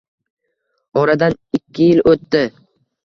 Oradan ikki yil o`tdi